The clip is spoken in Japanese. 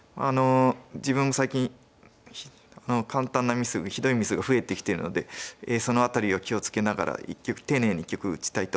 自分も最近簡単なミスひどいミスが増えてきてるのでその辺りを気を付けながら丁寧に一局打ちたいと思います。